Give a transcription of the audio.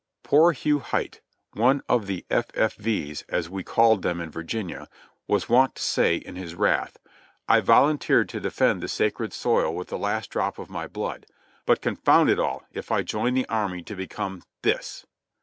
Poor Hugh Hite, one of the F. F. V.'s, as we called them in Virginia, was wont to say in his wrath : "I volun teered to defend the sacred soil with the last drop of my blood; but confound it all, if I joined the army to become — this!"